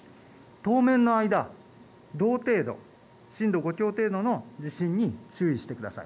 当面の間、同程度、震度５強程度の地震に注意してください。